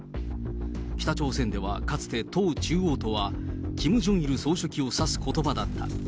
北朝鮮では、かつて党中央とは、キム・ジョンイル総書記を指すことばだった。